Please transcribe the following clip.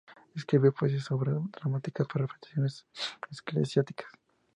Escribió poesías y obras dramáticas para representaciones eclesiásticas.